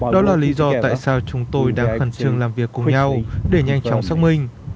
đó là lý do tại sao chúng tôi đang khẩn trương làm việc cùng với nhau để nhanh chóng xác minh